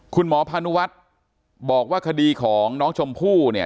พานุวัฒน์บอกว่าคดีของน้องชมพู่เนี่ย